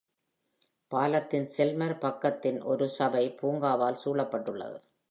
பாலத்தின் செல்மர் பக்கதின் ஒரு சபை பூங்காவால் சூழப்பட்டுள்ளது.